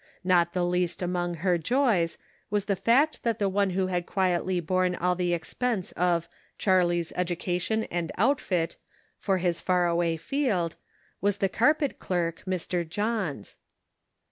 Not the least among her joys was the fact that the one who had quietly borne all the expense of " Charlie's education and outfit for his far away field, was the carpet clerk, Mr. Johns.